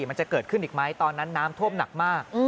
มันจะเกิดขึ้นอีกไหมตอนนั้นน้ำท่วมหนักมาก